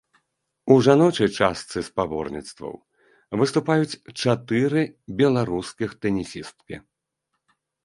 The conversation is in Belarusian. У жаночай частцы спаборніцтваў выступяць чатыры беларускіх тэнісісткі.